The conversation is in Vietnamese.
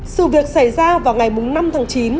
sự việc xảy ra vào ngày năm tháng chín